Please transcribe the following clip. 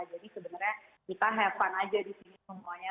jadi sebenarnya kita have fun aja di sini semuanya